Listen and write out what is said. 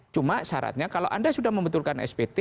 cuma syaratnya kalau anda sudah membeturkan spt